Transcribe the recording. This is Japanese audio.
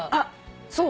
そう？